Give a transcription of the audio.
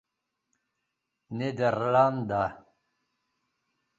nederlanda